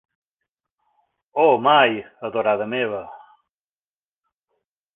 -Oh, mai, adorada meva!